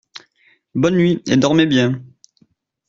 Bonne nuit et dormez bien !